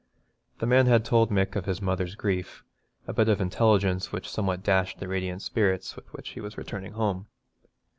The man had told Mick of his mother's grief, a bit of intelligence which somewhat dashed the radiant spirits with which he was returning home.